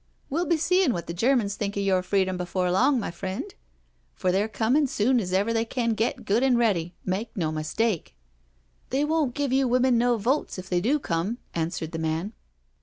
We'll be seeing what the Germans think of your freedom before long, my friend, for they're coming soon as ever they can get good and ready — ^make no mistake." •• They won't give you women no votes if they do come/' answered the man.